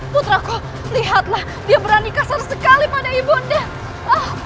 putraku lihatlah dia berani kasar sekali pada ibu deh